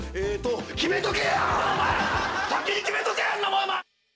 先に決めとけんなもん！